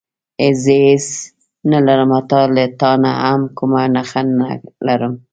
زه هېڅ نه لرم حتی له تا نه هم کومه نښه نه لرم.